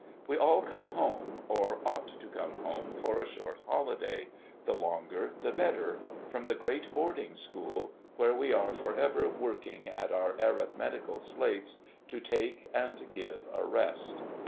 We all come home, or ought to come home, for a short holiday — the longer, the better — from the great boarding school, where we are for ever working at our arithmetical slates, to take, and give a rest.